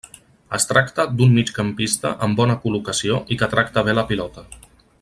Es tracta d'un migcampista amb bona col·locació i que tracta bé la pilota.